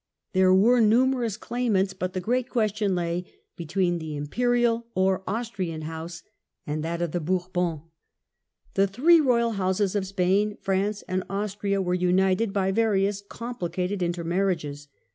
There were numerous claimants, but the great question lay between the Imperial or Austrian house and that of the Bourbons. The three royal houses of Spain, France, and Austria were united by various complicated intermarriages.